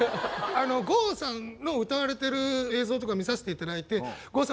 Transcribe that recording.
郷さんの歌われてる映像とか見させて頂いて郷さん